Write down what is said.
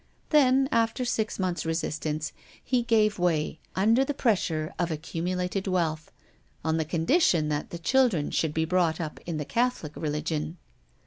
Then, after six months' resistance, he gave way, under the pressure of accumulated wealth, on the condition that the children should be brought up in the Catholic religion.